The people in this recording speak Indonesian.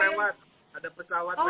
kayaknya dari hati yang paling dalam itu maya